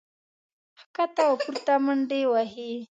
ښکته او پورته منډې وهي